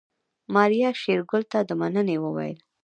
ماريا شېرګل ته د مننې وويل.